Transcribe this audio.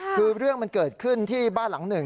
คือเรื่องมันเกิดขึ้นที่บ้านหลังหนึ่ง